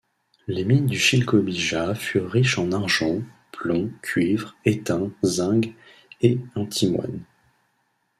Les mines de Chillcobija furent riches en argent, plomb, cuivre, étain, zinc et antimoine.